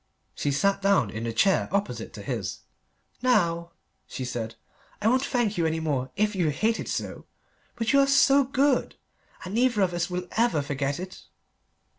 She sat down in the chair opposite to his. "Now," she said, "I won't thank you any more, if you hate it so; but you are good, and neither of us will ever forget it."